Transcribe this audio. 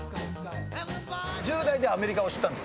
１０代でアメリカを知ったんです。